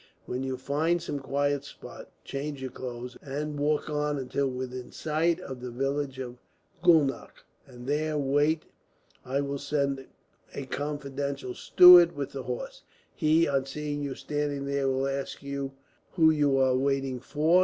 When you find some quiet spot, change your clothes, and walk on until within sight of the village of Gulnach, and there wait. I will send a confidential servant with the horse. He, on seeing you standing there, will ask who you are waiting for.